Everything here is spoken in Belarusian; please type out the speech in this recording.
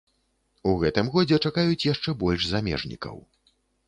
У гэтым годзе чакаюць яшчэ больш замежнікаў.